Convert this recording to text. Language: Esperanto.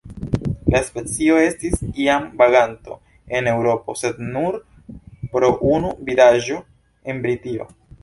La specio estis iam vaganto en Eŭropo, sed nur pro unu vidaĵo en Britio.